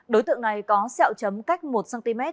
đối tượng này có sẹo chấm cách một cm